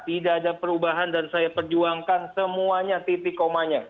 tidak ada perubahan dan saya perjuangkan semuanya titik komanya